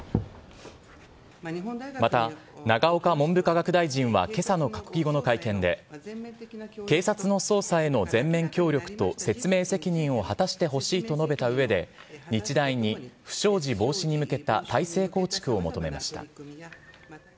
また、永岡文部科学大臣はけさの閣議後の会見で、警察の捜査への全面協力と説明責任を果たしてほしいと述べたうえで、日大に不祥事防止に向けた体制構築を求めました。